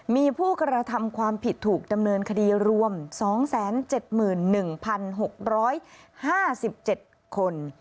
มีผู้กระทำความผิดถูกดำเนินคดีรวม๒๗๑๖๕๗คน